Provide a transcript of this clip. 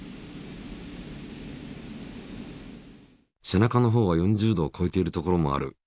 背中のほうは４０度をこえている所もある。